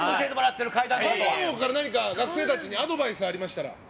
階段王から学生たちにアドバイスありましたら。